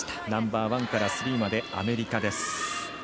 ナンバーワンからスリーまでアメリカです。